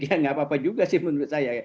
ya nggak apa apa juga sih menurut saya